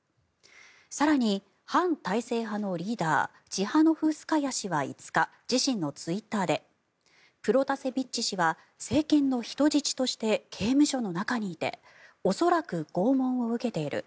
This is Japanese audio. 更に、反体制派のリーダーチハノフスカヤ氏は５日自身のツイッターでプロタセビッチ氏は政権の人質として刑務所の中にいて恐らく、拷問を受けている。